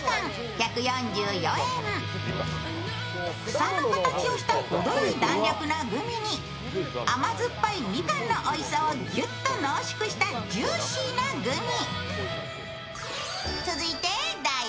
房の形をした、ほどよい弾力のグミに甘酸っぱいみかんのおいしさをギュッと濃縮したジューシーなグミ。